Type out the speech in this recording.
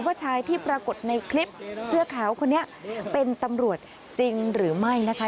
ว่าชายที่ปรากฏในคลิปเสื้อขาวคนนี้เป็นตำรวจจริงหรือไม่นะคะ